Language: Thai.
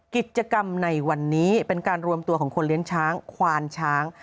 กิจกรรมในวันนี้เป็นการรวมตัวของคนเลี้ยงช้างควานช้าง